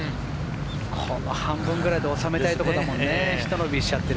この半分ぐらいで収めたいところです。